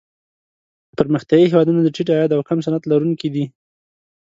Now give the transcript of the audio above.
پرمختیايي هېوادونه د ټیټ عاید او کم صنعت لرونکي دي.